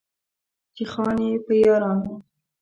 چې خان يې، په يارانو